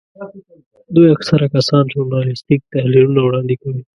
دوی اکثره کسان ژورنالیستیک تحلیلونه وړاندې کوي.